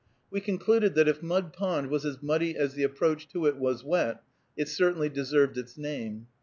We concluded that if Mud Pond was as muddy as the approach to it was wet, it certainly deserved its name.